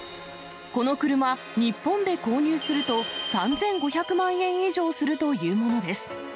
この車、日本で購入すると３５００万円以上するというものです。